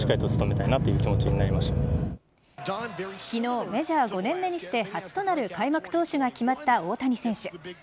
昨日メジャー５年目にして初となる開幕投手が決まった大谷選手。